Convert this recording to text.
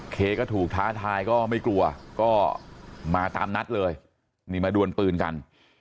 เคก็ถูกท้าทายก็ไม่กลัวก็มาตามนัดเลยนี่มาดวนปืนกัน